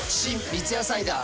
三ツ矢サイダー』